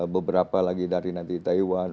beberapa lagi dari taiwan